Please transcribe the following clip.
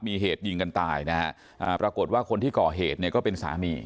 มีเหตุยิงกันตายนะฮะอ่าปรากฏว่าคนที่ก่อเหตุเนี่ยก็เป็นสามี